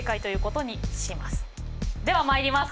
ではまいります。